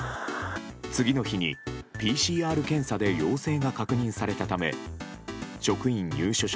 次の日にＰＣＲ検査で陽性が確認されたため職員、入所者